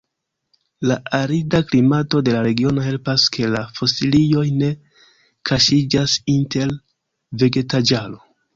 La arida klimato de la regiono helpas ke la fosilioj ne kaŝiĝas inter vegetaĵaro.